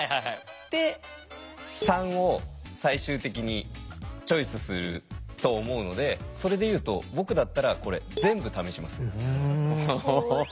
で３を最終的にチョイスすると思うのでそれで言うと僕だったらこれ全部試します。